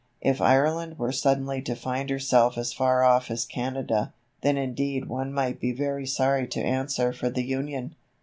If Ireland were suddenly to find herself as far off as Canada, then indeed one might be very sorry to answer for the Union.